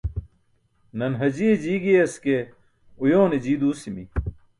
Nan Hajiye ji giyas ke uyoone jii duusimi.